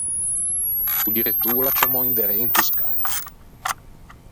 O direttô o l’à ciammou in derê into scagno.